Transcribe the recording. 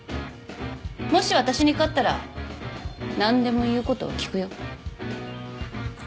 もし私に勝ったら何でも言うことを聞くよ。